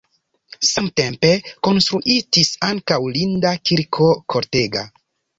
Samtempe konstruitis ankaŭ linda kirko kortega.